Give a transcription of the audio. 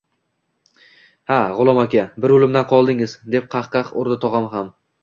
– Ha, G‘ulom aka, bir o‘limdan qoldingiz! – deb qahqah urdi tog‘am ham